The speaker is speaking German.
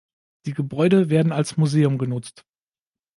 Die Gebäude werden als Museum genutzt.